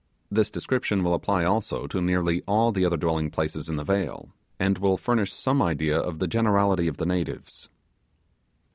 This description will apply also to nearly all the other dwelling places in the vale, and will furnish some idea of the generality of the natives.